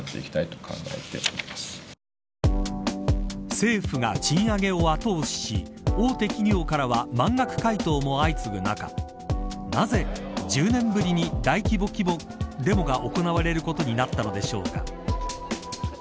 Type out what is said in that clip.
政府が賃上げを後押しし大手企業からは満額回答も相次ぐ中なぜ、１０年ぶりに大規模デモが行われることになったのでしょうか。